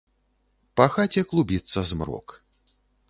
Па хаце клубіцца змрок.